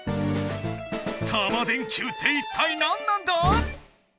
タマ電Ｑっていったいなんなんだ？